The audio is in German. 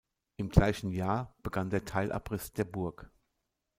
Im gleichen Jahr begann der Teilabriss der Burg.